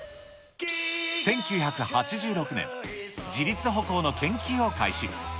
１９８６年、自立歩行の研究を開始。